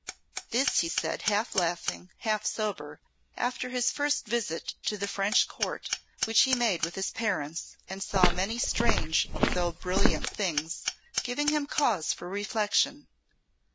This he said half laughing, half sober, after his first visit to the French Court, which he made with his parents and saw many strange though brilliant things, giving him cause for reflection.